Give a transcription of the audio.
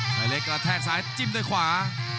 ชายเล็กก็แทบซ้ายจิ้มโดนขวา